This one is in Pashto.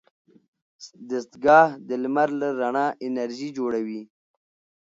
دستګاه د لمر له رڼا انرژي جوړوي.